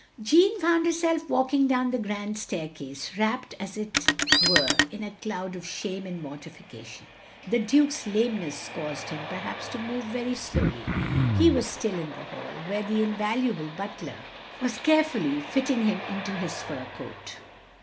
Jeanne found herself walking down the grand staircase, wrapt as it were in a cloud of shame and mortification. The Duke's lameness caused him, perhaps, to move very slowly. He was still in the hall, where the invaluable butler was carefully fitting him into his fur coat.